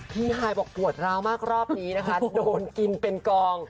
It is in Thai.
พี่ฮายบอกปวดราวมากรอบนี้โดนกินเป็นกรอง